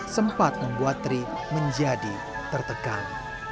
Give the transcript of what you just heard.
sempat membuat tri menjadi tertekan